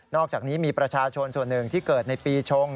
อกจากนี้มีประชาชนส่วนหนึ่งที่เกิดในปีชง